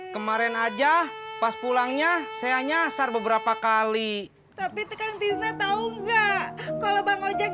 kemarin aja pas pulangnya saya nyasar beberapa kali tapi tekan tiga tahu nggak kalau bang ojak